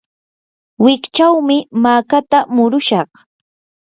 wikchawmi makata murushaq.